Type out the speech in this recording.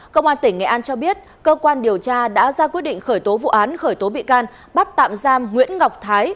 công an tỉnh nghệ an cho biết cơ quan điều tra đã ra quyết định khởi tố vụ án khởi tố bị can bắt tạm giam nguyễn ngọc thái